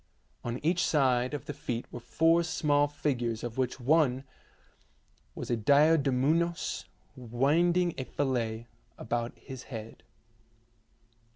On each side of the feet were four small figures of which one was a diadumenos winding a fillet about his head.